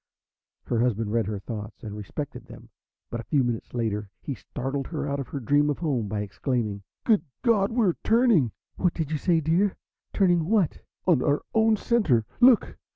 Her husband read her thoughts and respected them. But a few minutes later he startled her out of her dream of home by exclaiming: "Good God, we're turning!" "What do you say, dear? Turning what?" "On our own centre. Look!